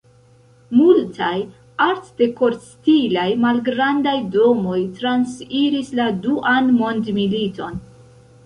Multaj Artdekor-stilaj malgrandaj domoj transiris la Duan Mondmiliton.